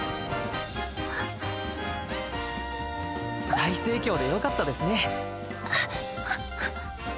大盛況でよかったですね。